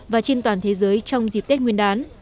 và trên toàn thế giới trong dịp tết nguyên đán